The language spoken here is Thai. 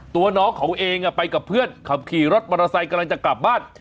ตัวน้องเขาเองไปกับเพื่อนขับขี่รถมอเตอร์ไซค์กำลังจะกลับบ้าน